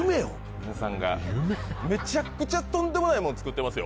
めちゃくちゃとんでもないもん作ってますよ